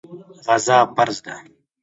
غزا فرض ده.